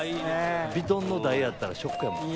ヴィトンの台やったらショックやもん。